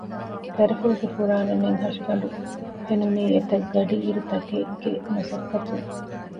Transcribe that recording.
ދަރިފުޅުގެ ފުރާނަނެތް ހަށިގަނޑު ފެނުނީ އެތަށް ގަޑިއިރުތަކެއްގެ މަސައްކަތުން